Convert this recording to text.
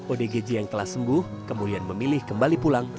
odgj yang telah sembuh kemudian memilih kembali pulang